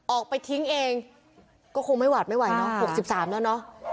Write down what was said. ออกไปทิ้งเองก็คงไม่หวาดไม่ไหวเนอะ๖๓แล้วเนอะ